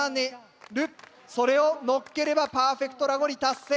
それをのっければパーフェクトラゴリ達成。